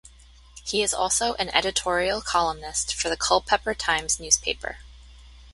He is also an editorial columnist for the Culpeper Times newspaper.